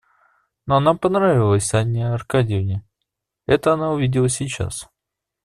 Но она понравилась Анне Аркадьевне, — это она увидела сейчас.